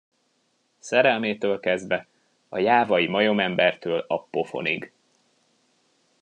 Szerelmétől kezdve, a jávai majomembertől a pofonig.